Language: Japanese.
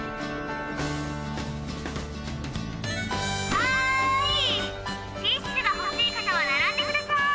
はいティッシュが欲しい方は並んでください！